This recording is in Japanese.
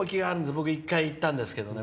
僕、１回行ったんですけどね。